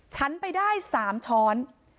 ฉันไปได้๓ช้อน